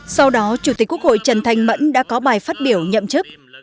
sau đó chủ tịch quốc hội trần thanh mẫn đã có bài phát biểu nhậm chức